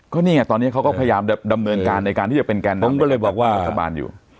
ก็นี่ไงตอนนี้เขาก็พยายามดำเนินการในการที่จะเป็นแกนน้ำในกรรมบาลอยู่